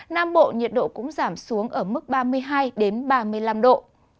nam bộ nhiệt độ cũng giảm xuống ở mức ba mươi hai ba mươi năm độ